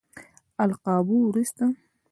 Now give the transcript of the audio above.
القابو وروسته.